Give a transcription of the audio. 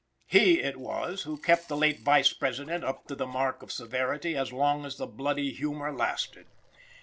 He it was who kept the late Vice President up to the mark of severity as long as the bloody humor lasted.